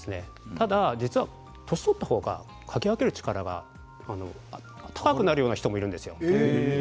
ただ実は年を取った方が嗅ぎ分ける力が高くなるような人もいるんですよ。